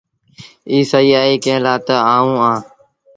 ايٚ سهيٚ اهي ڪݩهݩ لآ تا آئوٚنٚ اهآنٚ۔